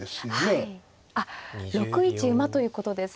はいあっ６一馬ということですね。